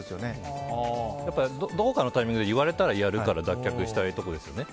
どこかのタイミングで言われたらやるから脱却したいところですよね。